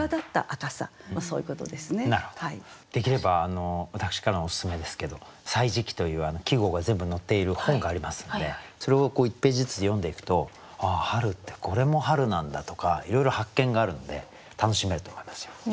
できれば私からのおすすめですけど「歳時記」という季語が全部載っている本がありますのでそれを１ページずつ読んでいくとああ春ってこれも春なんだとかいろいろ発見があるので楽しめると思いますよ。